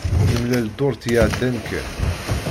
Nemlal dduṛt iɛeddan kan.